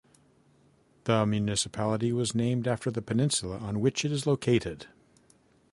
The municipality was named after the peninsula on which it is located.